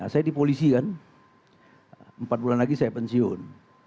saya di polisi kan empat bulan lagi saya pensiun